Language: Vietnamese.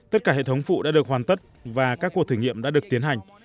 tất cả hệ thống phụ đã được hoàn tất và các cuộc thử nghiệm đã được tiến hành